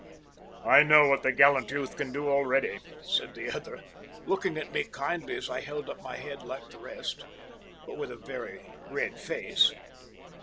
"I know what the gallant youth can do already," said the other, looking at me kindly as I held up my head like the rest, but with a very red face.